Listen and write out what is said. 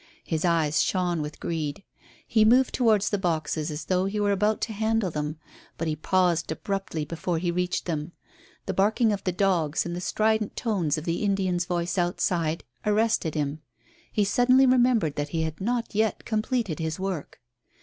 His eyes shone with greed. He moved towards the boxes as though he were about to handle them; but he paused abruptly before he reached them. The barking of the dogs and the strident tones of the Indian's voice outside arrested him. He suddenly remembered that he had not yet completed his work.